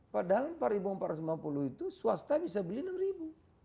padahal rp empat empat ratus lima puluh itu swasta bisa beli rp enam